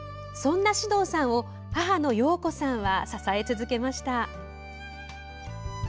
そんな獅童さんを母の陽子さんは支え続けました。